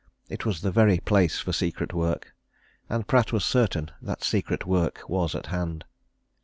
It was the very place for secret work, and Pratt was certain that secret work was at hand.